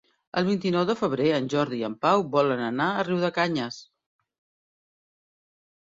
El vint-i-nou de febrer en Jordi i en Pau volen anar a Riudecanyes.